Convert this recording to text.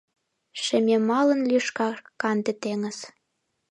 Шемемалын лӱшка канде теҥыз.